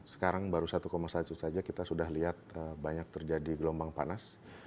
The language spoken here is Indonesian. sekarang baru satu satu saja kita sudah lihat banyak terjadi gelombang panas